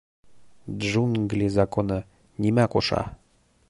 — Джунгли Законы нимә ҡуша?